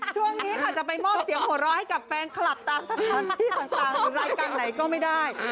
ช่วงนี้จะไปมอบเวลาเสียงหัวรอก์ให้กับแฟนคัลปต่างรายกรรมไหนก็ไม่ได้